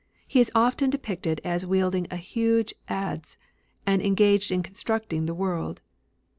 He is often depicted as wielding a huge adze, and engaged in constructing the world.